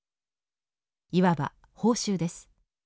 いわば報酬です。